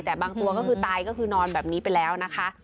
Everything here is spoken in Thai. แต่บางตัวก็คือตายก็คือนอนแบบนี้ไปแล้วนะคะ